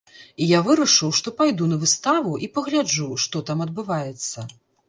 І я вырашыў, што пайду на выставу і пагляджу, што там адбываецца.